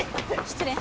失礼。